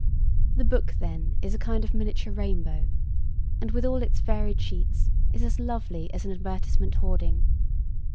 The book, then, is a kind of miniature rainbow, and with all its varied sheets is as lovely as an advertisement hoarding.